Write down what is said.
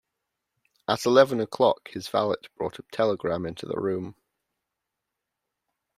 At eleven o'clock his valet brought a telegram into the room.